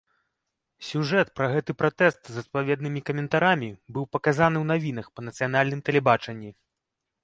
Сюжэт пра гэты пратэст з адпаведнымі каментарамі быў паказаны ў навінах па нацыянальным тэлебачанні.